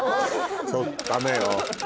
ダメよ